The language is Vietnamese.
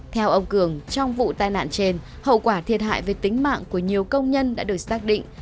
theo ông cường trong vụ tai nạn trên hậu quả thiệt hại về tính mạng của nhiều công nhân đã được xác định